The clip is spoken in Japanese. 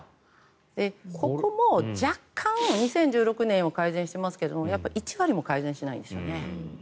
ここも若干２０１６年は改善してますが１割も改善してないんですよね。